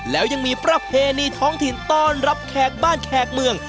แล้วยังมีประเพณีท้องถิ่นต้อนรับแขกบ้านแขกเมือง